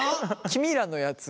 君らのやつ